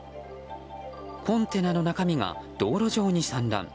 コンテナの中身が道路上に散乱。